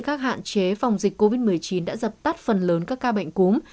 các hạn chế phòng dịch covid một mươi chín đã dập tắt phần lớn các ca bệnh cúm